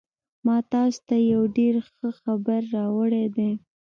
ما تاسو ته یو ډېر ښه خبر راوړی دی